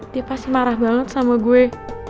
dia pasti marah banget sama gue